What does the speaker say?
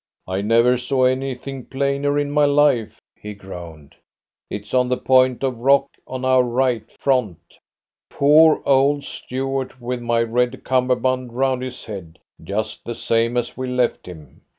"I never saw anything plainer in my life," he groaned. "It is on the point of rock on our right front poor old Stuart with my red cummerbund round his head just the same as we left him."